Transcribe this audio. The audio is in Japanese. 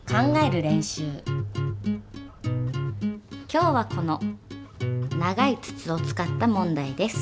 今日はこの長い筒を使った問題です。